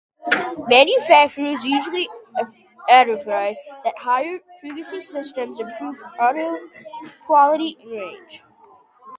Manufacturers usually advertise that their higher frequency systems improve audio quality and range.